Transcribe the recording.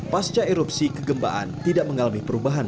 pasca erupsi kegembaan tidak mengalami perubahan